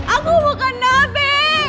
aku bukan nabi